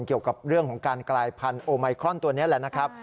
เกี่ยวกับเรื่องของการกลายพันธุ์โอไมครอนตัวนี้แหละนะครับ